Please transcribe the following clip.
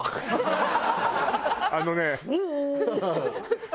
あのね。